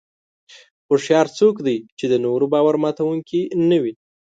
هوښیار څوک دی چې د نورو باور ماتوونکي نه وي.